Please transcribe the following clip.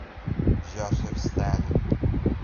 Josef Stalin